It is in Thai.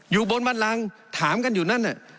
อยู่บนบันลังถามกันอยู่นั่น